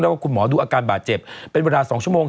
แล้วก็คุณหมอดูอาการบาดเจ็บเป็นเวลา๒ชั่วโมง